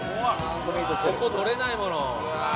「ここ取れないもの」